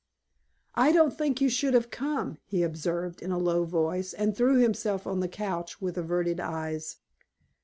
"I don't think you should have come," he observed in a low voice, and threw himself on the couch with averted eyes.